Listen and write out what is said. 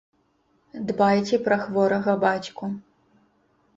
Дбайце пра хворага бацьку.